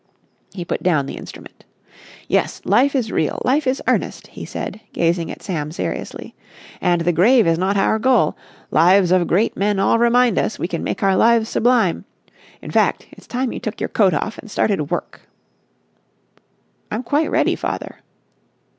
He put down the instrument. "Yes, life is real, life is earnest," he said, gazing at Sam seriously, "and the grave is not our goal. Lives of great men all remind us we can make our lives sublime. In fact, it's time you took your coat off and started work." "I am quite ready, father."